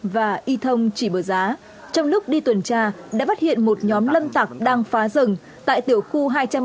và y thông chỉ bờ giá trong lúc đi tuần tra đã phát hiện một nhóm lâm tặc đang phá rừng tại tiểu khu hai trăm ba mươi